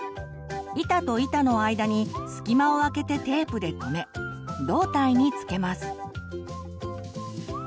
板と板の間に隙間をあけてテープで留め胴体に付けます。